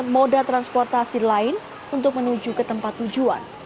moda transportasi lain untuk menuju ke tempat tujuan